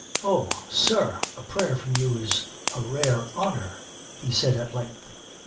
"Oh, sir, a prayer from you is a rare honour," he said at length.